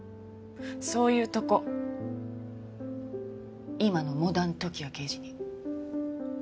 そういうとこ今のモダン時矢刑事に。